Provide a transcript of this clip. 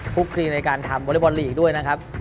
คลีในการทำวอเล็กบอลลีกด้วยนะครับ